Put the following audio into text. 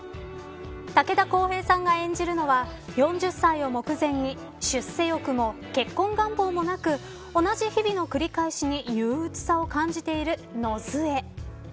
武田航平さんが演じるのは４０歳を目前に出世欲も結婚願望もなく同じ日々の繰り返しに憂うつさを感じている野末。